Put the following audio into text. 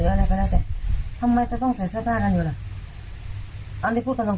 นะพูดกันตรงเลยมันเป็นไปไม่ได้หรอกอืมแต่การผู้กันถูกเด็กบ้าง